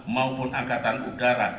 maupun angkatan udara